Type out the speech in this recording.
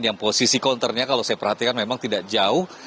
yang posisi counternya kalau saya perhatikan memang tidak jauh